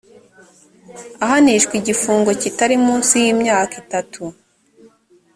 ahanishwa igifungo kitari munsi y imyaka itatu